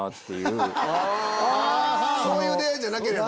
そういう出会いじゃなければ。